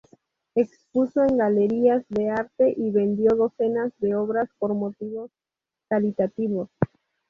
Expuso en galerías de arte y vendió docenas de obras por motivos caritativos.